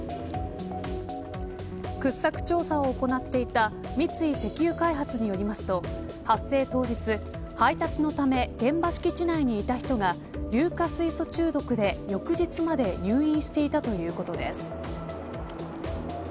掘削調査を行っていた三井石油開発によりますと発生当日配達のため現場敷地内にいた人が硫化水素中毒で翌日まで入院していたということです。